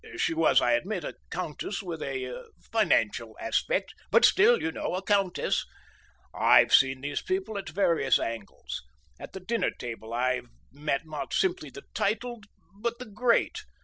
She was, I admit, a countess with a financial aspect, but still, you know, a countess. I've seen these people at various angles. At the dinner table I've met not simply the titled but the great.